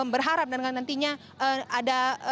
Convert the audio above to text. berharap dengan nantinya ada